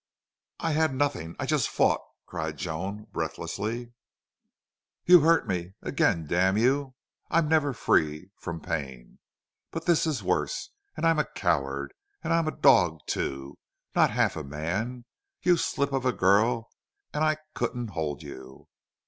"I had nothing.... I just fought," cried Joan, breathlessly. "You hurt me again damn you! I'm never free from pain. But this's worse.... And I'm a coward.... And I'm a dog, too! Not half a man! You slip of a girl and I couldn't hold you!"